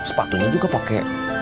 sepatunya juga pake